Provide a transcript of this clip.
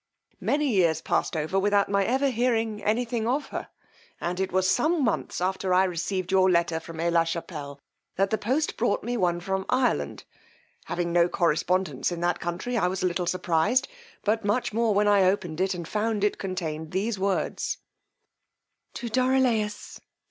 Many years passed over without my ever hearing any thing of her; and it was some months after I received your letter from Aix la Chappelle, that the post brought me one from Ireland: having no correspondence in that country, I was a little surprized, but much more when I opened it and found it contained these words: To DORILAUS.